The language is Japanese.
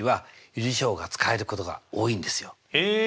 へえ